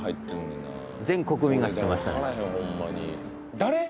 誰？